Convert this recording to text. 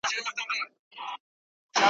نوم به مي نه وي د زمان پر ژبه ,